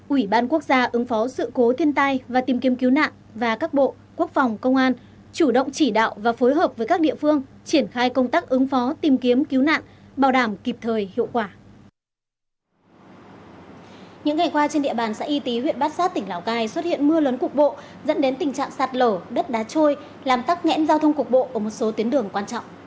ủy ban quốc gia ứng phó sự cố thiên tai và tìm kiếm cứu nạn và các bộ quốc phòng công an chủ động chỉ đạo và phối hợp với các địa phương triển khai công tác ứng phó tìm kiếm cứu nạn bảo đảm kịp thời hiệu quả